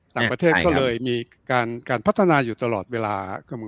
ต่างประเทศก็เลยมีการพัฒนาอยู่ตลอดเวลา